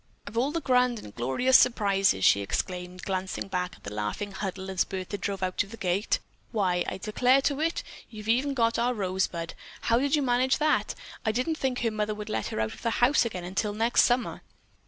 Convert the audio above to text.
"Of all the grand and glorious surprises!" she exclaimed, glancing back at the laughing huddle, as Bertha drove out of the gate. "Why, I declare to it, you've even got our rose bud. How did you manage that? I didn't think her mother would let her out of the house again until next summer."